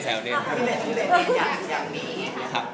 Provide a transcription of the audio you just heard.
อยากมีอย่างนี้ค่ะ